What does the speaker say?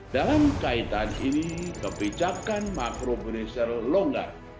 dalam kaitan ini kebijakan makro berinisial longgar